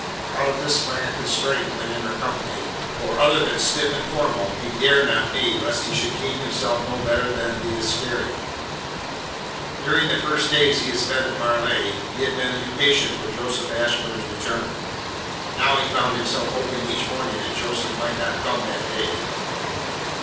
Out of this sprang a constraint when in her company, for other than stiff and formal he dared not be lest he should deem himself no better than the Iscariot. During the first days he had spent at Marleigh, he had been impatient for Joseph Ashburn's return. Now he found himself hoping each morning that Joseph might not come that day.